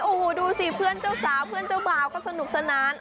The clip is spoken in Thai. โอ้โหดูสิเพื่อนเจ้าสาวเพื่อนเจ้าบ่าวก็สนุกสนาน